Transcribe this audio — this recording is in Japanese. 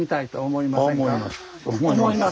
思います。